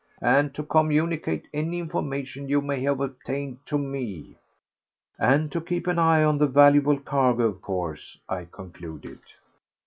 "And to communicate any information you may have obtained to me." "And to keep an eye on the valuable cargo, of course?" I concluded.